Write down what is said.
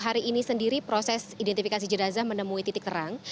hari ini sendiri proses identifikasi jenazah menemui titik terang